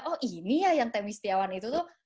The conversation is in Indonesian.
oh ini ya yang temi setiawan itu tuh